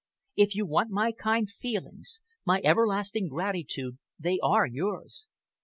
"If you want my kind feelings, my everlasting gratitude, they are yours.